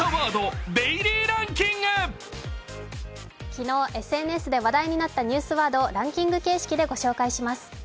昨日、ＳＮＳで話題になったニュースワードランキング形式でご紹介します。